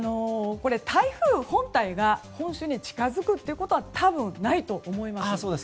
台風本体が本州に近づくことは多分ないと思います。